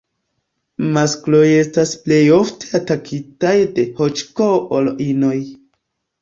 Maskloj estas plej ofte atakitaj de HĈK ol inoj.